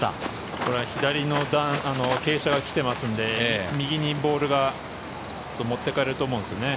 これは左の傾斜が来てますので右にボールが持っていかれると思うんですね。